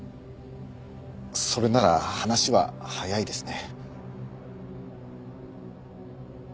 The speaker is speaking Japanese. それなら話は早いですね。